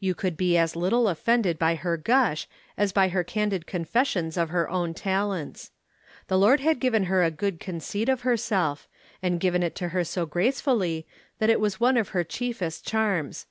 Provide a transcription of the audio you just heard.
You could be as little offended by her gush, as by her candid confessions of her own talents. The Lord had given her a good conceit of herself, and given it her so gracefully, that it was one of her chiefest charms.